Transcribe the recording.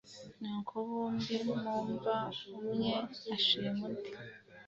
nuko bombi mu mva umwe ashima undi